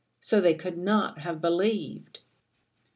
so they could not have believed.